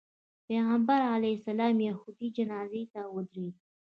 پیغمبر علیه السلام یهودي جنازې ته ودرېده.